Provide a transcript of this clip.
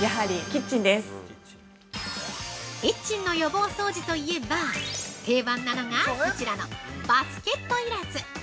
◆キッチンの予防掃除といえば定番なのが、こちらのバスケットいらず。